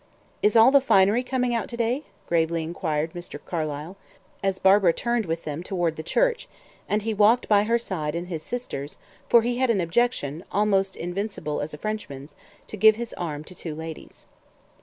"Is all the finery coming out to day?" gravely inquired Mr. Carlyle, as Barbara turned with them toward the church, and he walked by her side and his sister's, for he had an objection, almost invincible as a Frenchman's, to give his arm to two ladies.